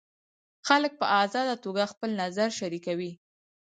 خلک په ازاده توګه خپل نظر شریکوي.